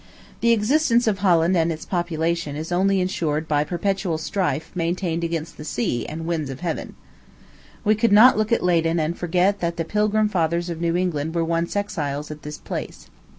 The existence of Holland and its population is only insured by perpetual strife maintained against the sea and winds of heaven. We could not look at Leyden and forget that the Pilgrim Fathers of New England were once exiles at this place.